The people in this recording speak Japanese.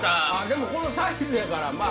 でもこのサイズやからまぁ。